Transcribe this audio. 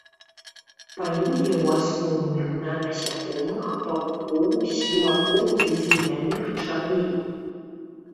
Палюе ў асноўным на насякомых, павукоў, слімакоў ды земляных чарвей.